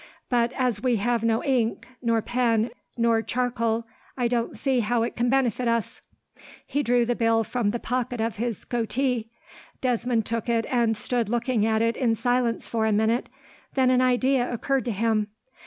But as we have no ink, nor pen, nor charcoal, I don't see how it can benefit us." He drew the bill from the pocket of his coatee. Desmond took it, and stood looking at it in silence for a minute. Then an idea occurred to him.